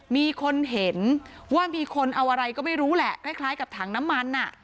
มีคนเห็นว่ามีคนเอาอะไรก็ไม่รู้แหละคล้ายกับถังน้ำมัน